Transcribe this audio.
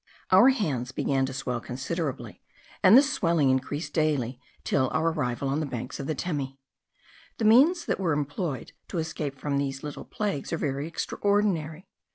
Our hands began to swell considerably, and this swelling increased daily till our arrival on the banks of the Temi. The means that are employed to escape from these little plagues are very extraordinary.